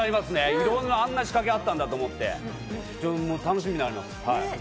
いろんな、あんなに仕掛けがあったんだって楽しみになります。